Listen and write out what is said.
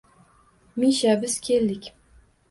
Misha, biz keldik